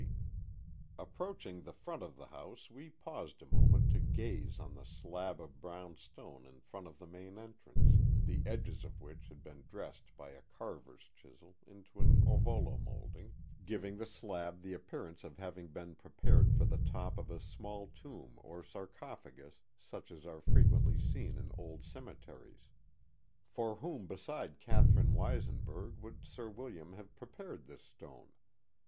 xo 14^ The Mohawk Valley Approaching the front of the house we paused a moment to gaze on the slab of brown stone in front of the main en trance, the edges of which had been dressed by a carver's chisel into an ovolo moulding, giving the slab the appearance of having been prepared for the top of a small tomb or sarco phagus such as are frequently seen in old cemeteries. For whom beside Catherine Weisenburg would Sir William have prepared this stone